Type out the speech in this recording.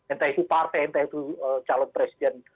entah itu partai entah itu calon presiden